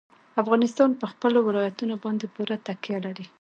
افغانستان په خپلو ولایتونو باندې پوره تکیه لري.